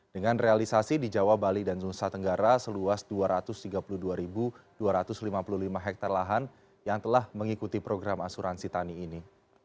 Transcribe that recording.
dengan realisasi di jawa bali dan nusa tenggara seluas dua ratus tiga puluh dua dua ratus lima puluh lima hektare lahan yang telah mengikuti program asuransi tani ini